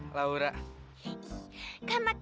wah kind ya soalnya dia